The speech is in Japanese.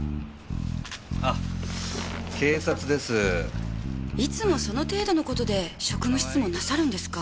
あ警察です〕いつもその程度のことで職務質問なさるんですか？